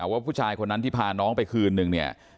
ว่าผู้ชายคนนั้นที่พาน้องไปคืนนึงเนี่ย